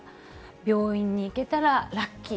病院に行けたらラッキー。